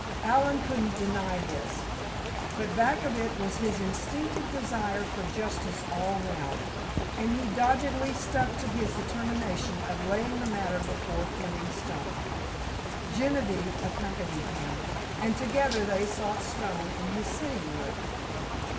Allen couldn't deny this, but back of it was his instinctive desire for justice all round, and he doggedly stuck to his determination of laying the matter before Fleming Stone. Genevieve accompanied him, and together they sought Stone in his sitting room.